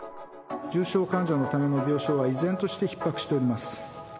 重症患者のための病床は依然としてひっ迫しております。